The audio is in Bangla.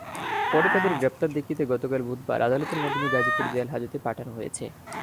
পরে তাদের গ্রেপ্তার দেখিতে গতকাল বুধবার আদালতের মাধ্যমে গাজীপুর জেলহাজতে পাঠানো হয়েছে।